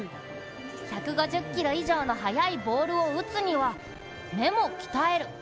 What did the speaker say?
１５０キロ以上の速いボールを打つには、目も鍛える。